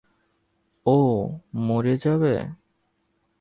ও মরে যাবে!